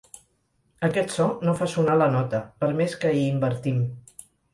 Aquest so no fa sonar la nota, per més que hi invertim.